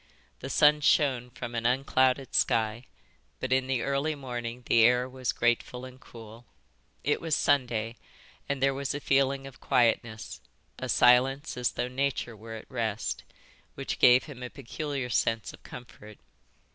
The sun shone from an unclouded sky, but in the early morning the air was grateful and cool. It was Sunday, and there was a feeling of quietness, a silence as though nature were at rest, which gave him a peculiar sense of comfort.